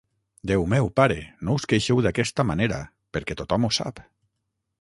Déu meu, pare! No us queixeu d'aquesta manera, perquè tothom ho sap.